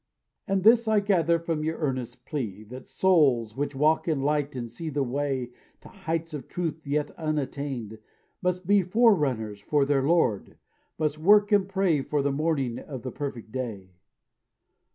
"And this I gather from your earnest plea; That souls which walk in light and see the way To heights of truth yet unattained, must be Fore runners for their Lord, must work and pray For the incoming of the perfect day.